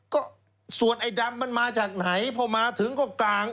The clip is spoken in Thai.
ก็ส่วนไอ้ดำมันมาจากไหนพอมาถึงก็กลาง